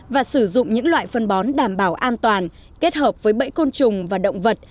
và sử dụng những loại phân bón đảm bảo an toàn kết hợp với bẫy côn trùng và động vật